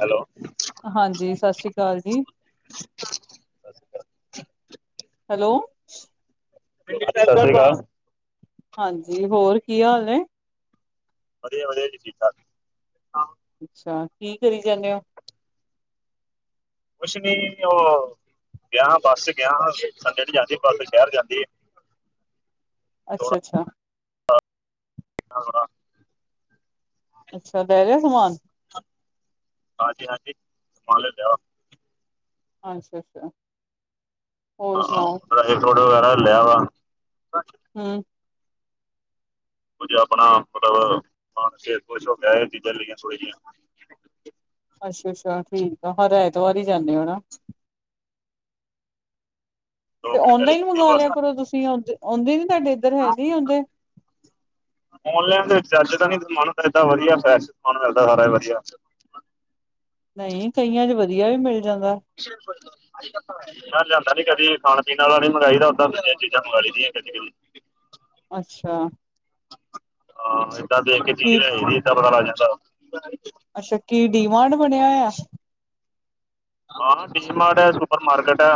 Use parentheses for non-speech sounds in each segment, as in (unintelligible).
Hello ਹਾਂਜੀ ਸਤਿ ਸ਼੍ਰੀ ਅਕਾਲ ਜੀ ਹੈਲੋ (unintelligible) ਹਾਂਜੀ ਹੋਰ, ਕੀ ਹਾਲ ਨੇ ਵਧੀਆ- ਵਧੀਆ ਜੀ ਠੀਕ -ਠਾਕ ਅੱਛਾ ਕੀ ਕਰੀ ਜਾਂਨੇ ਔ। ਕੁਛ ਨੀ ਉਹ ਗਿਆ ਬੱਸ ਗਿਆ, ਸੰਡੇ ਚ ਜਾਂਦੀ ਬੱਸ ਸ਼ਹਿਰ ਜਾਂਦੀ ਹੈ। ਅੱਛਾ- ਅੱਛਾ ਆਵਾ (unintelligible) ਅੱਛਾ ਲੈ ਲਿਆ ਸਮਾਨ ਹਾਂਜੀ ਹਾਂਜੀ, ਸਮਾਨ ਲੈ ਲਿਆ ਅੱਛਾ ਅੱਛਾ ਹੋਰ ਆਹ ਸੁਣਾਓ ਡਰਾਈ ਫਰੂਟ ਵਗੈਰਾ ਲੇਆ ਵਾ ਹੂ ਕੁੱਝ ਆਪਣਾ ਮਤਲਬ ਕੰਮ ਸੀ, ਕੁਛ ਹੋ ਕੇ ਆਯਾ ਚੀਜ਼ਾਂ ਲਈਆਂ ਥੌੜੀਆ ਜੇਇਆਂ ਅੱਛਾ- ਅੱਛਾ ਠੀਕ ਆ ਹਰ ਐਤਵਾਰ ਈ ਜਾਂਦੇ ਔ ਨਾ ਦੋ ਤੇ ਘੰਟੇ ਲਈ ਓਨਲਾਈਨ ਜਾਂਦੀ ਮੰਗਵਾ ਬੱਸ ਲਿਆ ਕਰੋ ਤੁਸੀਂ ਆਉਂਦੇ ਨੀ ਤੁਹਾਡੇ, ਇੱਧਰ ਹੈਗੇ ਆਉਦੇ ਔਨਲਾਈਨ ਦੇ ਵਿੱਚ ਚੱਜ ਦਾ ਨੀ ਸਮਾਨ, ਪਰ ਏਦਾਂ ਵਧੀਆ ਸਮਾਨ ਮਿਲਦਾ ਸਾਰਾ ਵਧੀਆ। ਨਹੀਂ ਕਈਆਂ 'ਚ ਵਧੀਆ ਵੀ ਮਿਲ ਜਾਂਦਾ। ਸ਼ੇ (inaudible) ਮੈਂ ਲਿਆਂਦਾ ਨੀ ਕਦੀ ਖਾਣ ਪੀਣ ਵਾਲਾ ਨੀ ਮੰਗਵਾਈ ਦਾ, ਉਦਾਂ ਚੀਜ਼ਾਂ ਮੰਗਵਾ ਲਈ ਦੀਆਂ ਕਦੀ- ਕਦੀ ਅੱਛਾ ਹਾਂ ਏਦਾਂ ਦੇਖ ਕੇ ਚੀਜ਼ ਕੀ ਲੈ ਲਈ ਦੀ ਐ, ਏਦਾਂ ਪਤਾ ਲਗ ਜਾਂਦਾ ਅੱਛਾ ਕੀ ਡੀ ਮਾਰਟ ਬਣਿਆ ਹੋਇਆ। ਹਾਂ ਡੀ ਮਾਰਟ ਐ, ਸੂਪਰ ਮਾਰਕਟ ਐ।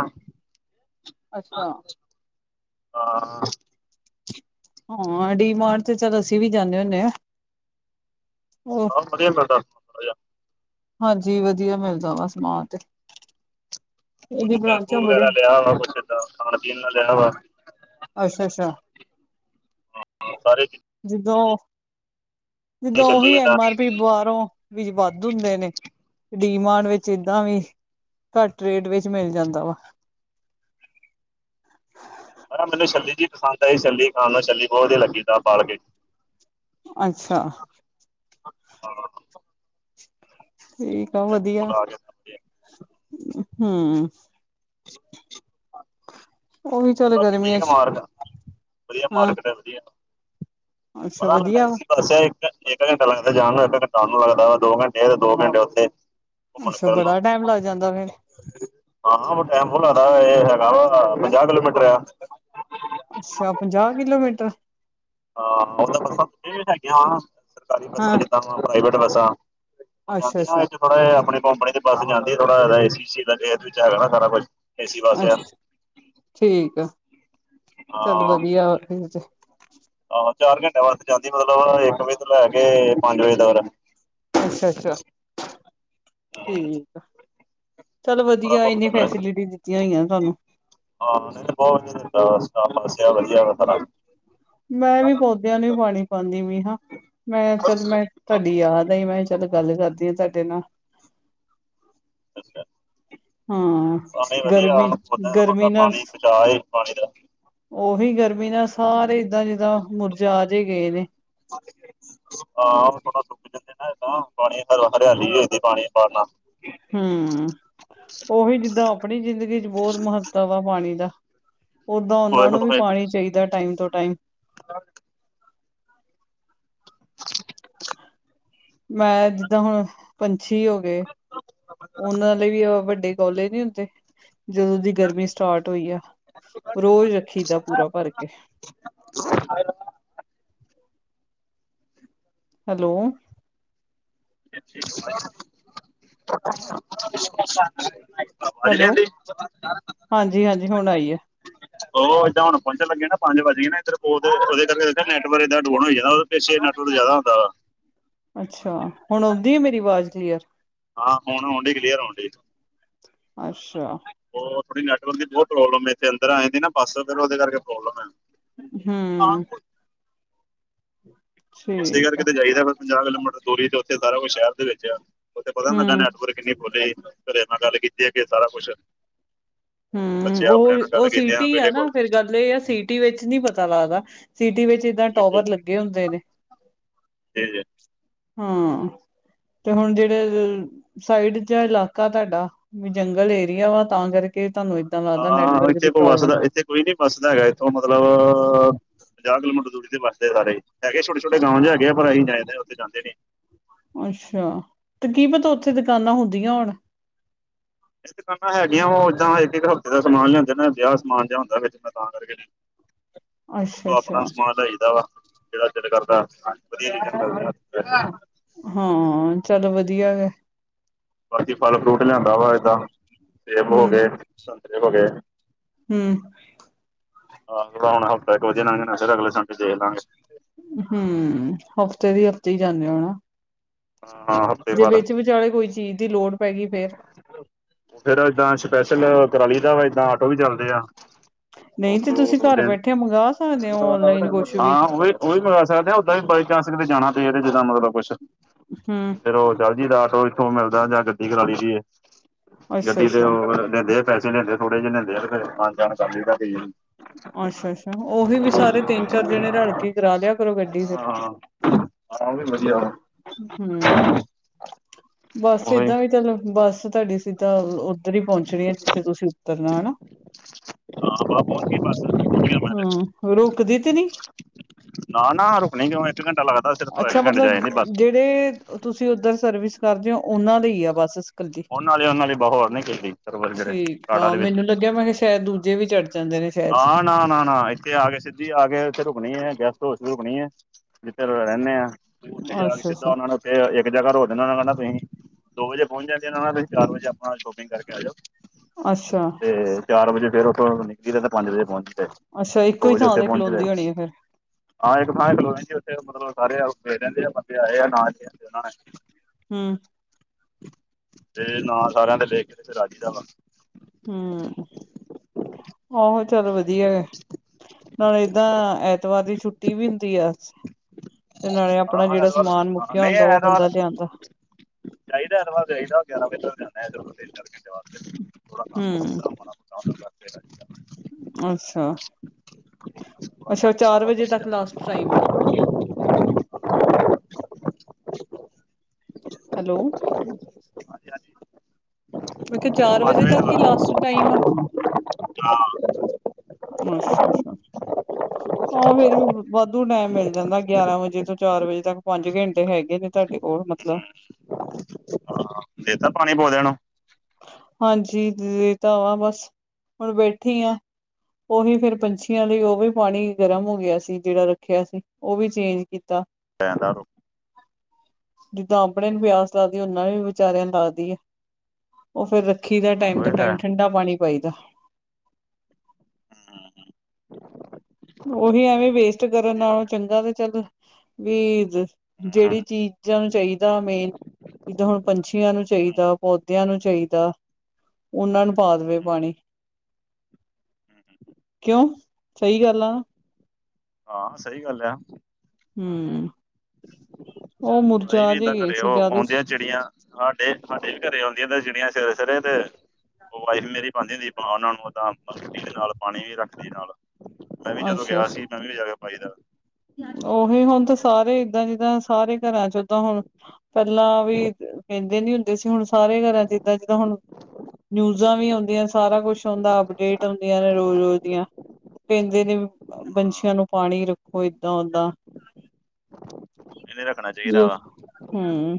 ਅੱਛਾ ਹਾਂ ਹਾਂ ਡੀ ਮਾਰਟ ਤੇ ਚੱਲ ਅਸੀਂ ਵੀ ਜਾਂਨੇ ਹੁੰਨੇ ਆਂ, ਹੋਰ ਪਰ ਵਧੀਆ ਲੱਗਦਾ। ਹਾਂਜੀ ਵਧੀਆ ਮਿਲ਼ ਜਾਂਦਾ ਸਮਾਨ ਤੇ ਕੁੱਝ ਇਹਦੀ ਬ੍ਰਾਂਚਾਂ ਸ਼ੈਮਪੁ ਵਗੈਰਾ ਬੜੇ ਲਿਆ ਵਾ ਬੱਚੇ ਦਾ, ਖਾਣ ਪੀਣ ਦਾ ਲਿਆ ਵਾ ਅੱਛਾ- ਅੱਛਾ (unintelligible) ਸਾਰੇ ਜਿਦੋਂ, ਜਿਦੋਂ ਛੱਲੀ ਉਹੀ ਏਦਾਂ ਐਮ ਆਰ ਪੀ ਬਾਹਾਰੋਂ ਵਿੱਚ ਵੱਧ ਹੁੰਦੇ ਨੇ ਡੀ ਮਾਰਟ ਵਿੱਚ ਏਦਾਂ ਵੀ ਘੱਟ ਰੇਟ ਵਿੱਚ ਮਿਲ ਜਾਂਦਾ ਵਾ ਪਰ ਆ ਮੈਨੂੰ ਛੱਲੀ ਜੀ ਪਸੰਦ ਆਈ, ਛੱਲੀ ਖਾਣ ਨੂੰ ਛੱਲੀ ਬਹੁਤ ਵਧੀਆ ਲੱਗੀ ਤਬਾਲ ਕੇ ਅੱਛਾ। ਹਾਂ, ਹਾਂ। ਠੀਕ ਆ ਵਧੀਆ, ਬੁਲਾ ਕੇ ਵਧੀਆ ਹੂ। (inaudible) ਉਹ ਵੀ ਚੱਲ ਬਾਕੀ ਗਰਮੀਆਂ ਠੀਕ ਆ ਚ ਮਾਰਕੀਟ, ਵਦੀਆ ਹਾਂ ਮਾਰਕੀਟ ਹੈ ਵਦੀਆ ਅੱਛਾ ਪਤਾ ਲੱਗਦਾ ਵਧੀਆ ਏ ਵਾ ਸੀ ਬਸ ਆ ਇੱਕ ਘੰਟਾ ਲੱਗਦਾ ਜਾਣ ਨੂੰ ਇੱਕ ਘੰਟਾ ਆਨ ਨੂੰ ਲੱਗਦਾ ਵਾ ਦੋ ਘੰਟੇ ਤੇ ਦੋ ਘੰਟੇ ਉੱਥੇ ਘੁੰਮਣ ਅੱਛਾ ਫਿਰਨ ਨੂੰ ਬੜਾ ਟਾਈਮ ਲੱਗ ਜਾਂਦਾ ਫੇਰ ਹਾਂ ਟੈਮ ਬਹੁਤ ਲੱਗਦਾ ਏ ਇਹ ਹੈਗਾ ਵਾ ਪੰਜਾਹ ਕਿਲੋਮੀਟਰ ਆ ਅੱਛਾ ਪੰਜਾਹ ਕਿਲੋਮੀਟਰ ਹਾਂ ਉਹ ਤਾਂ ਬੱਸਾਂ ਵੀ ਹੈਗੀਆਂ ਵ ਸਰਕਾਰੀ ਬੱਸਾਂ ਹਾਂ ਜਿੱਦਾਂ ਪ੍ਰਾਈਵੇਟ ਬੱਸਾਂ ਉਹ ਅੱਛਾ ਜਾਂਦੀ ਨਾ ਅੱਛਾ ਇਹਥੇ ਥੋੜਾ ਜਾ ਆਪਣੀ ਕੰਪਨੀ ਤੇ ਬੱਸ ਜਾਂਦੀ ਥੋੜਾ ਜਾ ਏਸੀ ਸੀ (unintelligible) ਆ ਅੱਛ ਠੀਕ ਐ ਚੱਲ ਹਾਂ ਵਦੀਆ ਹੋਰ ਫਿਰ ਤੇ ਆਹੋ ਚਾਰ ਘੰਟਿਆਂ ਬਸ ਜਾਂਦੀ, ਮਤਲਬ ਇੱਕ ਵਜੇ ਤੋਂ ਲੈ ਕੇ ਪੰਜ ਵਜੇ ਤੱਕ ਅੱਛਾ- ਅੱਛਾ ਠੀਕ ਆ ਚਲੋ ਥੋੜਾ ਵਦੀਆ ਘੁੰਮ ਇੰਨੀ ਫਿਰ ਆਏ ਫੈਸਿਲਿਟੀ ਦਿੱਤੀਆਂ ਹੋਈਆਂ ਨੇ ਤੁਹਾਨੂੰ ਹਾਂ ਨਹੀਂ ਤਾਂ ਬਹੁਤ ਵਧੀਆ ਦਿਤਾ ਵਾ ਸਟਾਫ਼ ਵਾਸਤੇ ਆ ਵਦੀਆ ਵਾ ਮੈਂ ਵੀ ਪੌਦਿਆਂ ਨੂੰ ਈ ਪਾਨੀ ਪਾਉਂਦੀ ਵੀ ਹਾਂ ਮੈਂ ਚੱਲ ਮੈਂ ਤੁਹਾਡੀ ਯਾਦ ਆਈ ਮੈਂ ਕਿਹਾ ਚੱਲ ਗੱਲ ਕਰਦੀ ਹਾਂ ਤੁਹਾਡੇ ਨਾਲ (unintelligible) ਹਾਂ। ਹੀ ਗਰਮੀ ਗਰਮੀ ਨਾਲ ਪਾਣੀ ਦਾ ਉਹੀ ਗਰਮੀ ਨਾਲ ਸਾਰੇ ਏਦਾਂ ਜਿੱਦਾਂ ਮੁਰਜਾ ਜੇ ਗਏ ਨੇ ਹਾਂ ਉਹ ਥੋੜਾ ਸੁੱਕ ਜਾਂਦੇ ਨਾ ਇਦਾਂ ਪਾਨੀ ਘਰ ਹਰਿਆਲੀ ਹੋ ਜਾਂਦੀ ਪਾਨੀ ਪਾਨ ਨਾਲ ਹੰ ਉਹੀ ਜਿੱਦਾਂ ਆਪਣੀ ਜ਼ਿੰਦਗੀ 'ਚ' ਬਹੁਤ ਮਹੱਤਵ ਆ ਪਾਨੀ ਦਾ ਓਦਾਂ ਉਹਨਾਂ ਨੂੰ ਵੀ ਨਾਲ ਪਾਨੀ ਚਾਹੀਦਾ ਟਾਈਮ ਟੋ ਟਾਈਮ (unintelligible) ਮੈਂ ਜਿੱਦਾਂ ਹੁਨ ਪੰਛੀ ਹੋ ਗਏ। ਉਹਨਾਂ ਲਈ ਵੀ ਵੱਡੇ ਕੋਲੇ ਨੀ ਹੁੰਦੇ। ਜਦੋਂ ਦੀ ਗਰਮੀ ਸਟਾਰਟ ਹੋਈ ਆ ਰੋਜ਼ ਰੱਖੀ ਦਾ ਪੂਰਾ ਭਰ ਕੇ (unintelligible) ਹੈਲੋ। (unintelligible) ਹੈਲੋ, ਆਂਦੀ ਹਾਂਜੀ- ਹਾਂਜੀ ਹੁਨ ਆਈ ਏ ਉਹ ਏਦਾਂ ਹੁਨ ਪਹੁੰਚਣ ਲੱਗੀ ਨਾ ਪੰਜ ਵੱਜ ਗਏ ਨੇ ਇਧਰੋ ਤੇ ਉਹਦੇ ਕਰਕੇ ਨੈਟਵਰਕ ਏਨਾਂ ਡਾਊਨ ਹੋਈ ਜਾਂਦਾ ਪਿਛੇ ਨੈਟਵਰਕ ਜ਼ਿਆਦਾ ਹੁੰਦਾ ਵਾ ਅੱਛਾ, ਹੁਣ ਆਉਂਦੀ ਐ ਮੇਰੀ ਆਵਾਜ਼ ਕਲੀਅਰ ਹਾਂ ਹੁਨ ਆਉਣ ਡਈ ਆ ਕਲੀਅਰ ਆਉਣ ਡਈ ਅੱਛਾ। ਉਹ ਥੋੜੀ ਨੈਟਵਰਕ ਦੀ ਬਹੁਤ ਪ੍ਰੋਬਲਮ ਇਥੇ ਅੰਦਰ ਆਏਗੀ ਨਾ ਬੱਸ ਫਰ ਉਹਦੇ ਕਰਕੇ ਪ੍ਰੋਬਲਮ ਐ ਹੰ ਇਸੇ ਠੀਕ ਆ ਕਰਕੇ ਤੇ ਜਾਈਦਾ ਪੰਜਾਹ ਕਿਲੋਮੀਟਰ ਦੂਰੀ ਤੇ ਉੱਥੇ ਸਾਰਾ ਕੁਛ ਸ਼ਹਿਰ ਦੇ ਵਿੱਚ ਆ ਉਹਥੇ ਪਤਾ ਨੀ ਲੱਗਾ ਨੈਟਵਰਕ ਕਿਨੇ ਖੁਲੇ ਘਰੇ ਆ ਕੇ ਨਾ ਗੱਲ ਕੀਤੀ ਆ ਕਿ ਸਾਰਾ ਕੁਛ ਹੰ ਉਹ- ਉਹ ਸੀਟੀ ਆ ਨਾ ਕੋਲ ਫਿਰ ਗੱਲ ਇਹ ਆ ਸੀਟੀ ਸਿਟੀ ਵਿਚ ਨੀ ਪਤਾ ਲੱਗਦਾ ਸਿਟੀ ਵਿਚ ਏਦਾਂ ਟਾਵਰ ਲੱਗੇ ਹੁੰਦੇ ਨੇ ਜੀ-ਜੀ ਹਾੰ ਤੇ ਹੁਣ ਜਿਹੜੇ ਸਾਈਡ ਚ ਆ ਇਲਾਕਾ ਤੁਹਾਡਾ ਵੀ ਜੰਗਲ ਏਰੀਆ ਵਾ ਤਾਂ ਕਰਕੇ ਤੁਹਾਨੂੰ ਲੱਗਦਾ ਹਾੰ ਨੈਟਵਰਕ ਏਥੇ ਦੀ ਕੋਈ ਪ੍ਰੋਬਲਮ ਵਸਦਾ ਏਥੇ ਕੋਈ ਨੀ ਬੱਸਦਾ ਹੈਗਾ ਇੱਥੋਂ ਮਤਲਬ ਪੰਜਾਹ ਕਿਲੋਮੀਟਰ ਦੂਰੀ ਤੇ ਬੱਸਦੇ ਸਾਰੇ। ਹੈਗੇ ਛੋਟੇ-ਛੋਟੇ ਗਾਉਂ ਜੇਹੇ ਹੈਗੇ ਆ ਪਰ ਅਸੀ ਜਾਏ ਉਥੇ ਜਾਂਦੇ ਨੀ ਅੱਛਾ, ਤੇ ਕੀ ਪਤਾ ਉੱਥੇ ਦੁਕਾਨਾਂ ਹੁੰਦੀਆਂ ਹੋਣ। ਇਹ ਦੁਕਾਨਾਂ ਹੈਗੀਆਂ ਉਹ ਏਦਾਂ ਇੱਕ ਇੱਕ ਹਫ਼ਤੇ ਦਾ ਸਮਾਨ ਲਿਆਉਦੇ ਨਾ ਵਿਆਹ ਸਮਾਨ ਜ ਹੁੰਦਾ ਫੇਰ ਮੈਂ ਤਾਂ ਕਰਕੇ (inaudible) (inaudible) ਉਹ ਆਪਣਾ ਅੱਛਾ-ਅੱਛਾ ਸਮਾਨ ਲਈ ਦਾ ਵਾ (unintelligible) ਵਧੀਆ (unintelligible) ਹਾਂ, ਚੱਲੋ ਵਧੀਆ ਗਾ ਬਾਕੀ ਫਲ ਫਰੂਟ ਲਿਆਂਦਾ ਵਾ ਏਦਾਂ ਸੇਬ ਹੋ ਗਏ, ਸੰਤਰੇ ਹੋ ਗਏ (inaudible) ਹੂੰ-ਹੂੰ ਆਹ ਹੁਣ ਹਫ਼ਤਾ ਇੱਕ ਵਧੀ ਲੰਗ ਜਾਣਾ, ਫੇਰ ਅਗਲੇ ਸੰਡੇ ਦੇਖ ਲਾਂਗੇ। ਹੁੰ, ਹਫ਼ਤੇ ਦੀ ਹਫ਼ਤੇ ਹੀ ਜਾਂਨੇ ਹੋ ਨਾ। ਹਾਂ। ਹਫ਼ਤੇ ਜੇ ਬਾਅਦ ਵਿੱਚ ਵਿਚਾਲੇ ਕੋਈ ਚੀਜ਼ ਦੀ ਲੋੜ ਪੈਗੀਈ ਫੇਰ (unintelligible) ਫੇਰ ਏਦਾਂ ਸਪੈਸ਼ਲ ਕਰਾਲੀ ਦਾ ਵਾ ਏਦਾਂ ਆਟੋ ਵੀ ਚੱਲਦੇ ਆ। (unintelligible) ਉਹ ਨਹੀਂ ਤੇ ਤੁਸੀਂ ਘਰ ਬੈਠੇ ਮੰਗਵਾ ਸਕਦੇ ਹੋ ਔਨਲਾਈਨ ਕੁਛ (unintelligible) ਹਾਂ ਉਹ ਵੀ ਉਹ ਵੀ ਮੰਗਵਾ ਸਕਦੇ ਆ ਉਦਾਂ ਵੀ ਬਾਈ ਚਾਂਸ ਕਿਦੇ ਜਾਣਾ ਪਏ ਜਿੱਦਾਂ ਮਤਲਬ ਕੁਛ ਹੁੰ, ਫੇਰ ਉਹ ਚੱਲ ਜੀ ਦਾ ਆਟੋ ਇੱਥੋਂ ਮਿਲਦਾ ਜਾਂ ਗੱਡੀ ਕਰਾ ਲਈ ਦੀ ਈ (inaudible) ਗੱਡੀ ਤੇ ਅੱਛਾ-ਅੱਛਾ। ਊ ਲੈਂਦੇ ਪੈਸੇ ਲੈਂਦੇ ਥੋੜੇ ਜਿਹੇ ਲੈਂਦੇ ਆ ਫੇਰ ਆਨ ਜਾਣ ਕਰ ਲਈ ਦਾ ਐ ਬਈ ਅੱਛਾ-ਅੱਛਾ, ਉਹੀ ਵੀ ਸਾਰੇ ਤਿੰਨ-ਚਾਰ ਜਣੇ ਰਲ ਕੇ ਕਰਾ ਲਿਆ ਕਰੋ ਗੱਡੀ ਫੇਰ। ਹਾਂ ਹਾਂ ਊ ਵੀ ਵਧੀਆ ਉਹੋ ਹੁੰ, (inaudible) ਬਸ ਉਹੀ ਏਦਾਂ ਵੀ ਚਲੋ ਬੱਸ ਤੁਹਾਡੀ ਸ ਤਾਂ ਉੱਧਰ ਹੀ ਪਹੁੰਚਣੀ ਏ ਜਿੱਥੇ ਤੁਸੀਂ ਉੱਤਰਨਾ ਹੈਨਾ। ਹਾਂ ਪਹੁੰਚ ਗਈ ਬੱਸ ਪਹੁੰਚ ਗਿਆ ਮੈਂ ਤੇ ਹੁੰ, ਰੁਕਦੀ ਤੇ ਨੀ। (unintelligible) ਨਾ ਨਾ ਰੁਕਣੀ ਕਿਉਂ ਇੱਕ ਘੰਟਾ ਲੱਗਦਾ ਸਿਰਫ, ਇੱਕ ਘੰਟੇ ਚ ਆ ਜਾਂਦੀ ਬਸ। ਐ ਤੁਸੀਂ ਉੱਧਰ ਸਰਵਿਸ ਕਰਦੇ ਹੋ ਉਹਨਾਂ ਦਾ ਹੀ ਆ ਬੱਸ (unintelligible) ਉਹ ਨਾਲੇ ਉਹ ਨਾਲੇ ਬਹੁਤ ਹੋਰ ਨੀ ਕੀਤੀ ਸਰਵਰ ਜਿਹੜੇ ਠੀਕ ਕਾੜਾ ਆ ਦੇ ਵਿੱਚ ਮੈਨੂੰ ਲੱਗਿਆ ਮੈਂ ਕਿਹਾ ਸ਼ਾਇਦ ਦੂਜੇ ਵੀ ਚੜ ਚ ਜਾਂਦੇ ਨੇ ਸ਼ਾਇਦ ਹਾਂ ਨਾ ਨਾ ਨਾ ਇੱਥੇ ਆ ਕੇ ਸਿੱਧੀ ਆ ਕੇ ਇੱਥੇ ਰੁਕਣੀ ਏ, ਗੈਸਟ ਹਾਊਸ ਵੀ ਰੁਕਣੀ ਏ ਜਿੱਥੇ ਰਹਿੰਨੇ ਆਂ। ਉੱਥੇ ਜਾ ਕੇ ਸਿੱਧਾ ਅੱਛਾ-ਅੱਛਾ, ਉਹਨਾ ਨੂੰ ਉੱਥੇ ਇੱਕ ਜਗ੍ਹਾ ਰੋਕ ਦਿੰਣਾ ਉਹਨਾਂ ਕਹਿੰਣਾ ਤੁਸੀਂ (unintelligible) ਦੋ ਵਜੇ ਪਹੁੰਚ ਜਾ ਦੇ ਚਾਰ ਵਜੇ ਆਪਣਾ ਸ਼ੋਪਿੰਗ ਕਰਕੇ ਆ ਜਾਓ (unintelligible) ਅੱਛਾ, ਤੇ ਚਾਰ ਵਜੇ ਫੇਰ ਉਥੋਂ ਨਿਕਲੀ ਦਾ ਤੇ ਪੰਜ ਵਜੇ ਪਹੁੰਚਦਾ, ਅੱਛਾ ਇੱਕੋ ਦੋ ਹੀ ਵਜੇ ਥਾਂ ਉਥੇ ਤੇ ਪਹੁੰਚਦਾ ਖਲੋਂਦੀ ਹੋਣੀ ਆ ਫੇਰ। ਹਾਂ ਇੱਕ ਥਾਂ ਈ ਖਲੋ ਜਾਂਦੀ ਉੱਥੇ ਮਤਲਬ ਸਾਰੇ ਰਹਿੰਦੇ ਆ ਬੰਦੇ ਆਏ ਆ ਨ ਲਦੇ ਉਹਨਾਂ ਨੇ (unintelligible) ਹੁੰ। ਤੇ ਨਾਲ ਸਾਰਿਆਂ ਦੇ ਲੈ ਕੇ ਤੇ ਫੇਰ ਆਜੀ ਦਾ ਵਾ ਹੁੰ (inaudible) ਆਹੋ ਚੱਲ ਵਧੀਆ ਨਾਲ ਏਦਾਂ ਐਤਵਾਰ ਦੀ ਛੁੱਟੀ ਵੀ ਹੁੰਦੀ ਆ (inaudible) ਤੇ ਨਾਲੇ ਹਾਂ ਆਪਣਾ ਹਾਂ ਜਿਹੜਾ ਐਤਵਾਰ ਸਮਾਨ ਹਾਂ ਮੁੱਕਿਆ ਨਹੀਂ ਹੁੰਦਾ ਉਹ ਐਤਵਾਰ ਬੰਦਾ ਲੈ ਆਂਦਾ। (unintelligible) ਚਾਹੀਦਾ ਇ ਵ ਚਾਹੀਦਾ ਗਿਆਰਾਂ ਵਜੇ ਤੱਕ ਜਾਂਦਾ ਇੱਧਰ ਤਿੰਨ ਚਾਰ ਘੰਟੇ ਵਾਸਤੇ ਥੋੜਾ ਕੰਮ ਹੁੰ। ਥੋੜਾ ਮਾੜਾ ਮੋਟਾ ਉਹਨਾਂ ਕਰਕੇ ਥੋੜਾ ਅੱਛਾ (inaudible) ਕੰਮ ਅੱਛਾ ਥੋੜਾ ਚਾਰ ਬਾਤਾ ਵਜੇ ਪਾ ਤੱਕ ਲਾਸਟ ਜਾਣਾ ਟਾਈਮ ਆ? ਹੈਲੋ। ਹਾਂਜੀ-ਹਾਂਜੀ। ਮੈਂ ਕਿਹਾ ਚਾਰ ਵਜੇ ਤੱਕ ਹੀ ਲਾਸਟ ਟਾਈਮ ਆ। (inaudible) ਅੱਛਾ-ਅੱਛਾ। ਹਾਂ ਫੇਰ ਵੀ ਵ ਵਾਧੂ ਟੈਮ ਮੇਲ ਜਾਂਦਾ ਗਿਆਰਾਂ ਵਜੇ ਤੋਂ ਚਾਰ ਵਜੇ ਤੱਕ ਪੰਜ ਘੰਟੇ ਹੈਗੇ ਨੇ ਤੁਆਡੇ ਕੋਲ ਮਤਲਬ। ਹਾਂ, ਦੇਤਾ ਪਾਣੀ ਪੋਦੇਆ ਨੂੰ? ਹਾਂਜੀ ਦੇ ਤਾਂ ਆਏਆ ਬਸ, ਹੁਣ ਬੇਠੀ ਆ। ਓਹੀ ਫੇਰ ਪੰਛੀਆਂ ਲਈ ਓਵੀ ਪਾਣੀ ਗਰਮ ਹੋ ਗੇਆ ਸੀ ਜੇੜਾ ਰੱਖੇਆ ਸੀ ਓਵੀ ਚੇਂਜ ਕੀਤਾ। ਭੈਣ ਨਾ ਰੋ ਜਿੱਦਾਂ ਆਪਣੇ ਨੂੰ ਪਿਆਸ ਲਗਦੀ ਉਨਾ ਨੂੰ ਵੀ ਵਿਚਾਰੇਆਂ ਨੂੰ ਲੱਗਦੀ ਐ। ਓ ਫਿਰ ਰੱਖੀ ਦਾ ਟਾਈਮ ਆਹੋ ਟੂ ਇਹ ਲੈ ਟਾਈਮ ਠੰਡਾ ਪਾਣੀ ਪਾਈ ਦਾ। ਓਹੀ ਐਵੇਂ ਵੇਸਟ ਕਰਨ ਵਧੀਆ ਹੋ ਨਾਲੋਂ ਗਿਆ ਚੰਗਾ ਤੇ ਚੱਲ ਵੀ ਹੂੰ, ਜੇੜੀ ਚੀਜ਼ਾਂ ਨੂੰ ਚਾਈਦਾ ਮੇਨ। ਜਿੱਦਾਂ ਹੁਣ ਪੰਛੀਆਂ ਨੂੰ ਹੂੰ, ਚਾਈਦਾ, ਪੌਦੇਆਂ ਨੂੰ ਚਾਈਦਾ। ਓਨਾਂ ਨੂੰ ਪਾ ਦੇਵੇ ਹੂੰ, ਪਾਣੀ, ਹੂੰ। ਕਿਉਂ? ਸਈ ਗੱਲ ਆ ਨਾ। ਹਾਂ ਸਈ ਗੱਲ ਆ। ਹੂੰ, ਓ ਅਸੀਂ ਮੁਰਜਾ ਵੀ ਜੇਈ ਏਦਾਂ ਗਈ ਘਰੇ ਸੀ ਉਹ ਜਾਦੀਸ ਆਉਂਦੀਆਂ ਚਿੜੀਆਂ ਸਾਡੇ -ਸਾਡੇ ਵੀ ਘਰੇ ਔਂਦੀਆਂ ਤੇ ਚਿੜੀਆਂ ਸਵੇਰੇ-ਸਵੇਰੇ ਤੇ ਓ ਵਾਈਫ ਮੇਰੀ ਪਾਂਦੀ ਹੁੰਦੀ ਓਨਾ ਨੂੰ ਏਦਾ ਪਾਣੀ ਵੀ ਰੱਖਦੀ ਨਾਲ ਮੈਂ ਵੀ ਜਦੋਂ ਅੱਛਾ ਗੇਆ ਸੀ। ਅੱਛਾ (unintelligible) ਉਹੀ ਹੁਣ ਤੇ ਸਾਰੇ ਏਦਾਂ ਜਿੱਦਾਂ ਸਾਰੇ ਘਰਾਂ ਚ ਓਦਾਂ ਹੁਣ ਪੈਲਾਂ ਹੂੰ। ਵੀ ਕੈਂਦੇ ਨੀ ਹੁੰਦੇ ਸੀ। ਹੁਣ ਸਾਰੇ ਘਰਾਂ ਚ ਏਦਾਂ ਜਿੱਦਾਂ ਹੁਣ ਨਿਊਜਾਂ ਵੀ ਆਉਂਦੀਆਂ ਸਾਰਾ ਕੁਝ ਓਂਦਾ ਅਪਡੇਟ ਹੁੰਦੀਆਂ ਨੇ ਰੋਜ਼-ਰੋਜ਼ ਦੀਆਂ ਪੈਂਦੇ ਨੇ ਹਾਂ ਬੰਸ਼ੀਆਂ ਨੂੰ ਪਾਣੀ ਰੱਖ ਕੋਈ ਏਦਾਂ ਓਦਾਂ, ਇਹਨੇ ਰੱਖਣਾ ਚਾਹੀਦਾ ਜ ਵਾ ਹਮ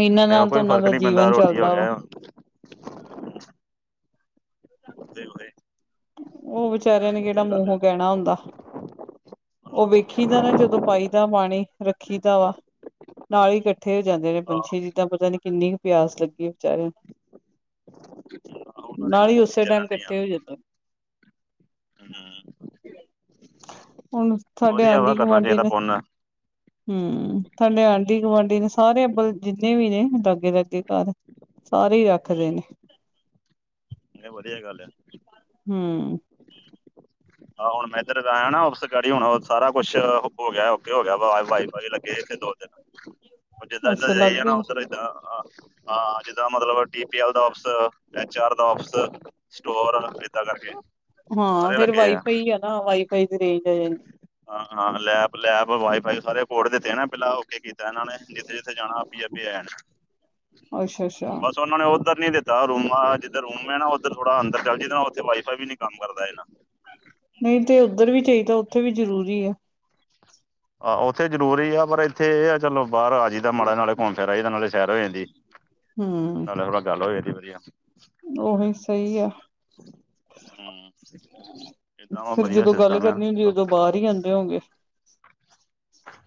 ਇਨਾਂ ਭਾਵੇਂ ਉਹ ਨਾਲ ਤਾਂ ਕੋਈ ਉਨਾਂ ਫ਼ਰਕ ਦਾ ਨੀ ਪੈਂਦਾ ਜੀਵਨ ਰੋਟੀ ਹੋ ਚੱਲਦਾ ਵਾ ਗਿਆ (unintelligible) ਉਹ ਵਿਚਾਰਿਆਂ ਨੇ ਕੇੜਾ ਇਹ ਗੱਲ ਆ ਮੂੰਹੋਂ ਕੈਣਾ ਹੁੰਦਾ। ਉਹ ਵੇਖੀ ਦਾ ਨਾ ਜਦੋਂ ਪਾਈ ਦਾ ਪਾਣੀ ਰੱਖੀ ਦਾ ਵਾ ਨਾਲ ਹੀ ਕੱਟੀ ਕੱਠੇ ਜਾਂਦੇ ਨੇ ਆਹੋ ਪੰਛੀ ਜੀਦਾਂ ਪਤਾ ਨੀ ਕਿੰਨੀ ਪਿਆਸ ਲੱਗੀ ਵਿਚਾਰਿਆਂ ਨੂੰ ਉਹਨਾਂ ਦੇ ਨਾਲ ਈ ਗੱਡੀ ਉਸੇ ਚੱਲਣ ਟਾਈਮ ਡੀ ਆ ਕੱਠੇ ਹੋ ਜਾਂਦੇ। ਹੂੰ ਹੁਣ ਸਾਡੇ ਵਧੀਆ ਵਾ ਕਰਨਾ ਆਂਢੀ-ਗੁਆਂਢੀ ਚਾਹੀਦਾ ਨੇ। ਪੁੰਨ ਹਮ ਸਾਡੇ ਆਂਢੀ-ਗੁਆਂਢੀ ਨੇ, ਸਾਰੇ ਅਬਲ ਜਿੰਨੇ ਵੀ ਨੇ ਲਾਗੇ-ਲਾਗੇ ਘਰ ਸਾਰੇ ਈ ਰੱਖਦੇ ਨੇ। ਏ ਵਧੀਆ ਗੱਲ ਏ। ਹਮ। ਆ ਹੁਣ ਮੈਂ ਇੱਧਰ ਆਇਆ ਨਾ ਉਸ ਗੜੀ ਹੁਣ ਸਾਰਾ ਕੁਛ ਹੋ ਗਿਆ ਔਕੇ ਹੋ ਗਿਆ ਵ ਵਾਈ ਫਾਈ ਲੱਗੇ ਇੱਥੇ ਦੋ-ਤਿੰਨ (inaudible) ੳ ਜਿਦਾ, ਜਿਦਾ ਅੱਛਾ ਜਾਈ ਲਾਗੇ ਜਾਣਾ ਹਾਂ ਜਿੱਦਾਂ ਮਤਲਬ ਟੀ- ਪੀ -ਐਲ ਦਾ ਆਫਸ, ਐਚ -ਆਰ ਦਾ ਆਫਿਸ ਸਟੋਰ ਇਦਾਂ ਕਰਕੇ ਸਾਰੇ ਲੱਗੇ ਆਂ। ਪਈ ਆ ਨਾ ਵਾਈ-ਫਾਈ ਦੀ ਰੇਂਜ ਆ ਜਾਂਦੀ। ਹਾਂ, ਹਾਂ ਲੈਬ-ਲੈਬ ਵਾਈ-ਫਾਈ ਸਾਰੇ ਕੋਡ ਦੇ ਤੇ ਨਾ ਪੈਲਾਂ ਓਕੇੇ ਕੀਤਾ ਇਹਨਾਂ ਨੇ ਜਿੱਥੇ-ਜਿੱਥੇ ਜਾਣਾ ਆਪੀ ਅੱਗੇ ਆ ਜਾਣਾ ਅੱਛਾ, ਅੱਛਾ। ਉਨਾ ਨੇ ਉੱਧਰ ਨੀ ਦਿੱਤਾ ਰੂਮ ਜਿੱਧਰ ਰੂਮ ਏ ਨਾ ਉੱਧਰ ਥੋੜਾ ਅੰਦਰ ਚੱਲ ਜਿਦੇ ਨਾ ਉੱਥੇ ਵਾਈ-ਫਾਈ ਵੀ ਨੀ ਕੰਮ ਕਰਦਾ ਏਨਾ। ਨਹੀਂ ਤੇ ਉੱਧਰ ਵੀ ਚਾਹੀਦਾ ਉੱਥੇ ਵੀ ਜਰੂਰੀ ਏ। ਆਹੋ, ਉੱਥੇ ਜ਼ਰੂਰੀ ਆ ਪਰ ਇੱਥੇ ਇਹ ਆ ਚਲੋ ਬਾਹਰ ਆ ਜਾਈ ਜਾ ਮਾੜਾ ਨਾਲੇ ਘੁੰਮ ਫਿਰ ਆਈ ਦਾ ਨਾਲੇ ਸੈਰ ਹੋ ਜਾਂਦੀ, ਹੂੰ ਨਾਲੇ ਥੋੜਾ ਗੱਲ ਹੋ ਜਾਂਦੀ ਵਧੀਆ। ਉਹੀ ਸਈ ਆ। ਹੂੰ, ਏਦਾਂ ਵਾ ਫਿਰ ਵਧੀਆ ਸਿਸਟਮ ਏ ਆ। ਚਲੋ ਜਦੋਂ ਬਾਰ ਈ ਜਾਂਦੇ ਹੋਗੇ।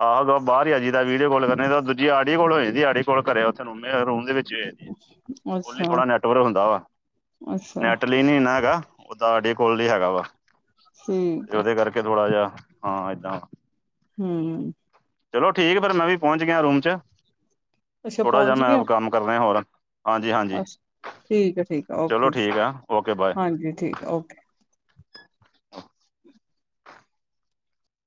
ਆ ਜਦ ਬਾਰ ਈ ਆ ਜੀ ਦਾ ਵੀਡੀਓ ਕੋਲ ਕਰਨੀ ਤਾਂ ਦੂਜੀ ਆਡੀਓ ਕੋਲ ਹੋ ਜਾਂਦੀ ਆ ਹਾਡੇ ਕੋਲ ਘਰੇ ਉਥੇ ਰੂਮੇ ਰੂਮ ਦੇ ਵਿੱਚੇ ਖੋਲੀ ਅੱਛਾ ਥੋੜਾ ਨੈਟਵਰਕ ਹੁੰਦਾ ਵਾ, ਅੱਛਾ ਨੈਟ ਪਲੇਨ ਨੀ ਨਾ ਹੈਗਾ ਓ ਤਾਡੇ ਕੋਲ ਏ ਹੈਗਾ ਵਾ ਠੀਕ 'ਤੇ ਆ ਉਦੇ ਕਰਕੇ ਥੋੜਾ ਜੇਆ ਹਾਂ ਐਦਾਂ ਹੂੰ। ਚਲੋ ਠੀਕ ਏ ਫੇਰ ਮੈਂ ਵੀ ਪਹੁੰਚ ਗਿਆ ਰੂਮ 'ਚ ਅੱਛਾ ਥੋੜਾ ਜਾ ਪਹੁੰਚ ਗਿਆ ਮੈਂ ਕੰਮ ਕਰ ਰੇਆ ਹੋਰ, ਹਾਂਜੀ-ਹਾਂਜੀ। ਅੱਛਾ ਠੀਕ ਆ ਠੀਕ ਆ ਚਲੋ ਓਕੇ ਜੀ ਠੀਕ ਆ ਓਕੇ ਬਾਏ ਹਾਂਜੀ ਠੀਕ ਓਕੇ।